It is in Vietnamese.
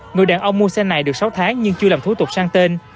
người đàn ông mua xe này được sáu tháng nhưng chưa làm thủ tục sang tên